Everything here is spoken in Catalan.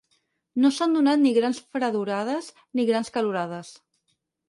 No s'han donat ni grans fredorades ni grans calorades.